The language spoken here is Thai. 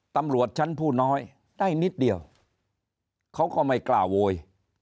ตำรวจชั้นผู้น้อยได้นิดเดียวเขาก็ไม่กล้าโวย